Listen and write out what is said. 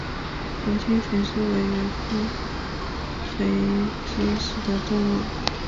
黄金肥蛛为园蛛科肥蛛属的动物。